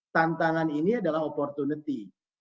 tantangan ini adalah opportunity